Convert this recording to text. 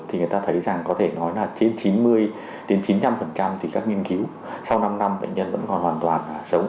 thì người ta thấy rằng có thể nói là trên chín mươi chín mươi năm thì các nghiên cứu sau năm năm bệnh nhân vẫn còn hoàn toàn sống